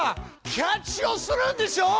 キャッチをするんでしょう！